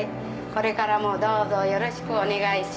「これからもどうぞよろしくお願いします」